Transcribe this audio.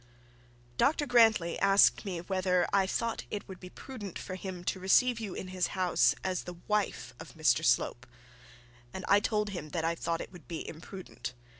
'Dr Grantly asked me whether I thought it would be prudent for him to receive you in his house as the wife of Mr Slope, and I told him that I thought it would be imprudent.